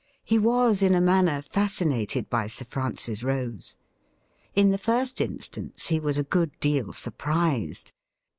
He was in a manner fascinated by Sir Francis Rose. In the first instance, he was a good deal surprised.